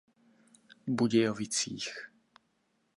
Budějovicích.